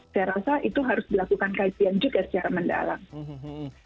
saya rasa itu harus dilakukan kajian juga secara mendalam